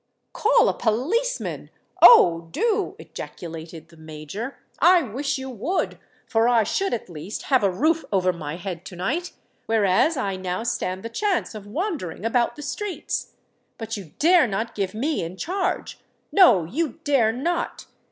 "Call a policeman—oh! do," ejaculated the Major. "I wish you would—for I should at least have a roof over my head to night; whereas I now stand the chance of wandering about the streets. But you dare not give me in charge—no, you dare not!